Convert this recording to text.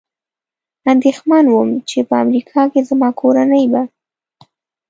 اندېښمن ووم، چې په امریکا کې زما کورنۍ به.